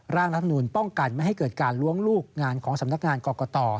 ร่างรัฐมนูลป้องกันไม่ให้เกิดการล้วงลูกงานของสำนักงานกรกต